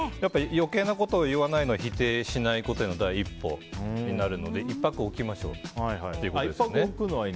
余計なことを言わないのは否定しないことへの第一歩になるので１拍おきましょうということです。